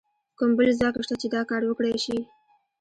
کوم بل ځواک شته چې دا کار وکړای شي؟